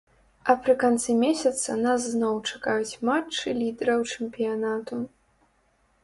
А пры канцы месяца нас зноў чакаюць матчы лідэраў чэмпіянату.